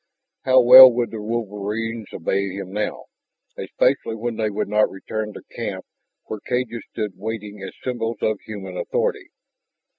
How well would the wolverines obey him now, especially when they would not return to camp where cages stood waiting as symbols of human authority?